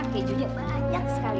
kejunya banyak sekali